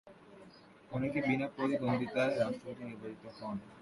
অনেকেই বিনা প্রতিদ্বন্দ্বিতায় রাষ্ট্রপতি নির্বাচিত হন।